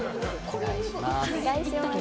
お願いします。